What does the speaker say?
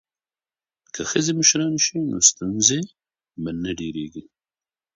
که ښځې مشرانې شي نو ستونزې به نه ډیریږي.